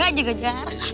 gak juga jarak